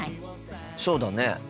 そうだね。